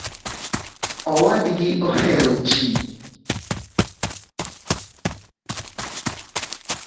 Owadgi ohero jii